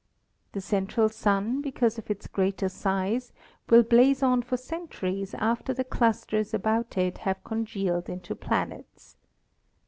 The central Sun, because of its greater size, will blaze on for centuries after the clusters about it have congealed into planets.